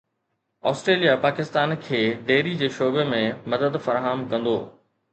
Australia Pakistan کي dairy جي شعبي ۾ مدد فراهم ڪندو